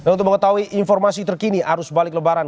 untuk mengetahui informasi terkini arus balik lebaran